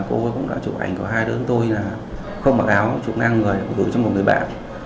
cô ấy cũng đã chụp ảnh của hai đứa tôi là không mặc áo chụp ngang người của tôi trong một người bạn